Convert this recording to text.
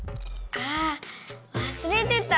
あわすれてた。